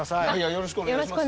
よろしくお願いします。